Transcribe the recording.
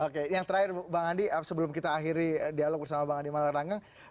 oke yang terakhir bang andi sebelum kita akhiri dialog bersama bang andi malarangeng